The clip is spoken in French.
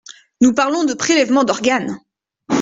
Nous parlons de prélèvements d’organes.